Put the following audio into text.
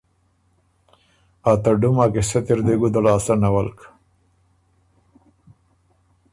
آ ته ډُمه ا قیصۀ تِر دې ګُده لاسته نَولک؟